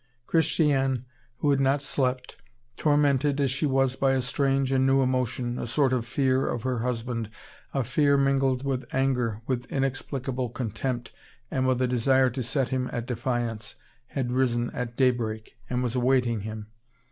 Christiane, who had not slept, tormented as she was by a strange and new emotion, a sort of fear of her husband, a fear mingled with anger, with inexplicable contempt, and a desire to set him at defiance, had risen at daybreak, and was awaiting him.